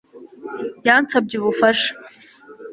Yansabye ubufasha